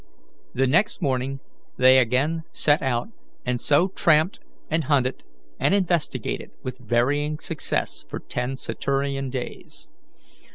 The next morning they again set out, and so tramped, hunted, and investigated with varying success for ten Saturnian days.